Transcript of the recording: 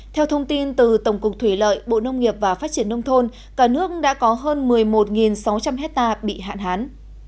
theo thông tin từ tổng cục thủy lợi bộ nông nghiệp và phát triển nông thôn cả nước đã có hơn một mươi một sáu trăm linh hectare bị hạn hán